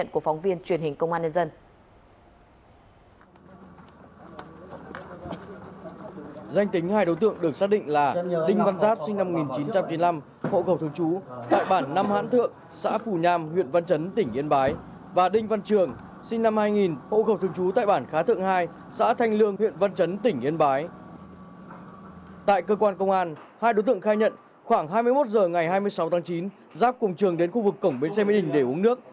tại cơ quan công an hai đối tượng khai nhận khoảng hai mươi một h ngày hai mươi sáu tháng chín giáp cùng trường đến khu vực cổng bến xe máy đình để uống nước